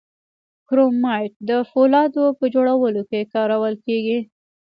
کرومایټ د فولادو په جوړولو کې کارول کیږي.